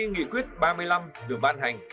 nghị quyết ba mươi năm được ban hành